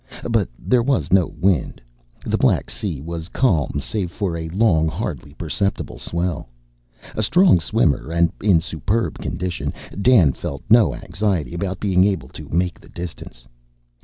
But there was no wind; the black sea was calm save for a long, hardly perceptible swell. A strong swimmer and in superb condition, Dan felt no anxiety about being able to make the distance.